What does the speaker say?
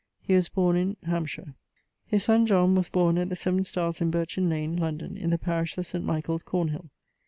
He was borne in ..., Hantshire. His son John was borne at the 7 Starres in Burchin Lane, London, in the parish of St. Michael's Cornhill.